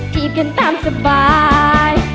จีบกันตามสบาย